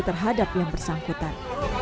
terhadap yang bersangkutan